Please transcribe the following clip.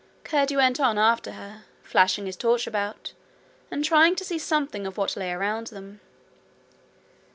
Curdie went on after her, flashing his torch about, and trying to see something of what lay around them.